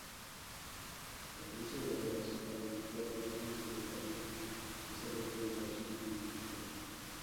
Patricia Roberts Harris fue la última secretaria de Salud, Educación y Bienestar.